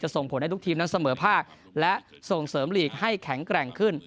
ส่งผลให้ทุกทีมนั้นเสมอภาคและส่งเสริมลีกให้แข็งแกร่งขึ้น